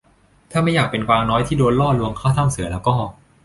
ถ้าไม่อยากเป็นกวางน้อยที่โดนล่อลวงเข้าถ้ำเสือละก็